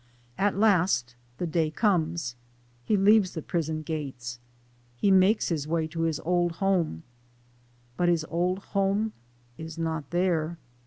At last the day comes he leaves the prison gates he makes his way to his old home, but his old home is not there.